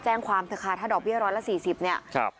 แจ้งความเธอค่ะถ้าดอกเบี้ยร้อยละสี่สิบเนี่ยครับ